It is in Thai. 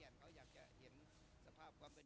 นี่บนรถเค้าก็เปิดแล้วนะครับ